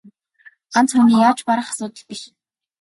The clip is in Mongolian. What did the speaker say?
Ганц нэг хүний яавч барах асуудал биш.